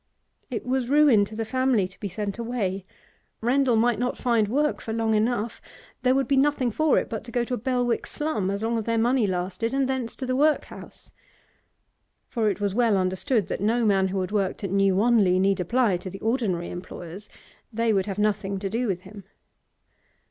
It was ruin to the family to be sent away; Rendal might not find work for long enough; there would be nothing for it but to go to a Belwick slum as long as their money lasted, and thence to the workhouse. For it was well understood that no man who had worked at New Wanley need apply to the ordinary employers; they would have nothing to do with him.